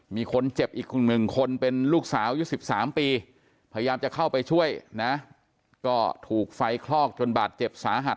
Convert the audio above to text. มีคนเจ็บอีก๑คนเป็นลูกสาวยุค๑๓ปีพยายามจะเข้าไปช่วยนะก็ถูกไฟคลอกจนบาดเจ็บสาหัส